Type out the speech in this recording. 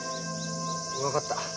分かった。